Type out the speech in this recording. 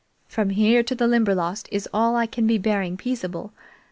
From here to the Limberlost is all I can be bearing peaceable.